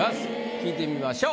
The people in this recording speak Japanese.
聞いてみましょう。